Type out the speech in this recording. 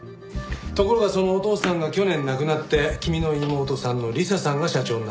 ところがそのお父さんが去年亡くなって君の妹さんの理彩さんが社長になった。